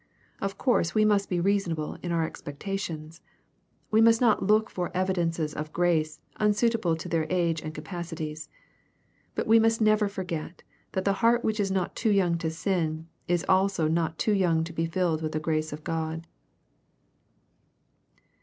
Of course we must be reasonable in our expectations. We must not look for evidences of grace, unsuitable to their age and capacities. But we must never forget that the heart which is not too young to sin, is also not too young to be filled with the grace of God.